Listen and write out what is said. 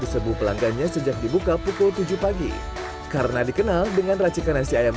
sebu pelanggannya sejak dibuka pukul tujuh pagi karena dikenal dengan racikan nasi ayam